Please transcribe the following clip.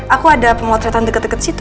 aku ada pemotretan deket deket situ